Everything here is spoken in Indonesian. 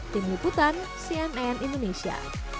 tim liputan cnn indonesia